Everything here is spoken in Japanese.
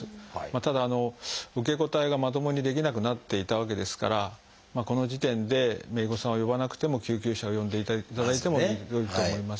ただ受け答えがまともにできなくなっていたわけですからこの時点で姪御さんを呼ばなくても救急車を呼んでいただいても良いと思います。